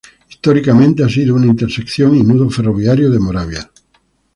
Históricamente, ha sido una intersección y nudo ferroviario de Moravia.